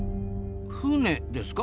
船ですか？